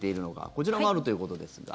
こちらもあるということですが。